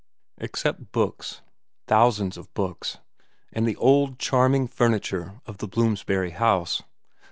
Except 70 VERA vn books ; thousands of books, and the old charming furniture of the Bloomsbury house.